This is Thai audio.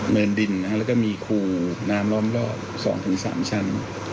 เนินดินแล้วก็มีคูน้ำล้อมรอบ๒๓ชั้น